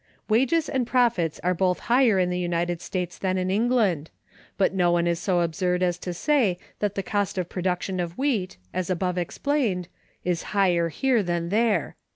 Wages and profits are both higher in the United States than in England, but no one is so absurd as to say that the cost of production of wheat (as above explained) is higher here than there.